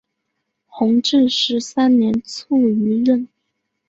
弘治十三年卒于任。